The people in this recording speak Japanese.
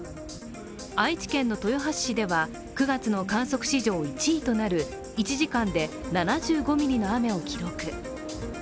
愛知県の豊橋市では９月の観測史上１位となる１時間で７５ミリの雨を記録。